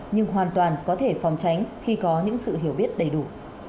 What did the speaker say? nhưng hoàn toàn có thể phòng tránh khi có những sự hiểu biết đầy đủ